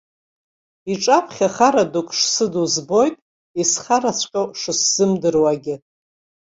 Иҿаԥхьа хара дук шсыду збоит, исхараҵәҟьоу шысзымдыруагьы.